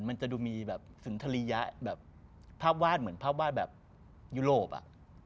มันจะดูมีแบบสุนทรียะแบบภาพวาดเหมือนภาพวาดแบบยุโรปอ่ะ